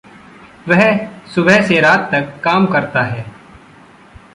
वह सुबह से रात तक काम करता है।